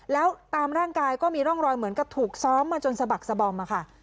แล้วตามร่างกายก็มีร่องรอยเหมือนกับถูกซ้อมมาจนสะบักสบอมอะค่ะ